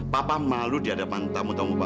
papa malu di hadapan tamu tamu bapak